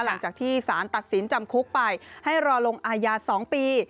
หลังจากที่สารตัดสินจำคุกไปให้รอลงอาญา๒ปี